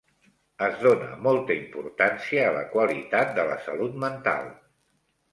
Es dona molta importància a la qualitat de la salut mental.